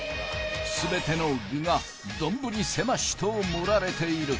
全ての具が丼狭しと盛られている